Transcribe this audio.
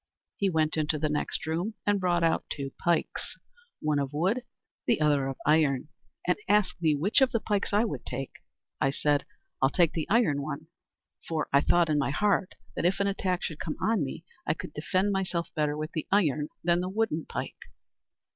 "He went into the next room and brought out two pikes, one of wood, the other of iron, and asked me which of the pikes would I take. I said, 'I'll take the iron one'; for I thought in my heart that if an attack should come on me, I could defend myself better with the iron than the wooden pike.